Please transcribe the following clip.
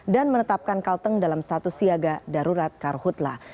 dan menetapkan kalteng dalam status siaga darurat karhutla